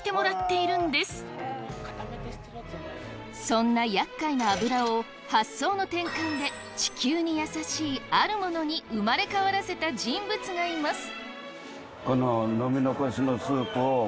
そんなやっかいな油を発想の転換で地球に優しいあるものに生まれ変わらせた人物がいます！